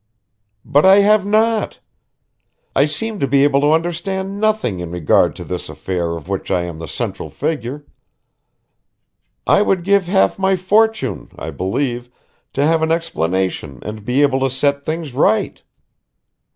"But I have not! I seem to be able to understand nothing in regard to this affair of which I am the central figure. I would give half my fortune, I believe, to have an explanation and be able to set things right."